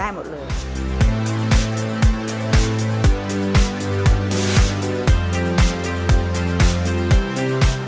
ได้หมดเลย